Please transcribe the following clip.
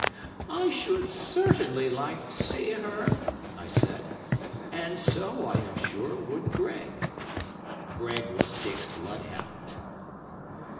"I should certainly like to see her," I said, "and so, I am sure, would Greg." (Greg was Dick's bloodhound).